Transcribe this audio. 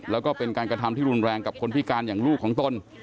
แล้วก็เป็นการกระทำที่รุนแรงกับคนพิการอย่างลูกของตน